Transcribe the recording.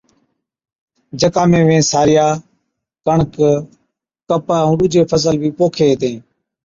جڪا ۾ وين سارِيا، ڪڻڪ، ڪپه ائُون ڏوجي فصل بِي پوکين هِتين۔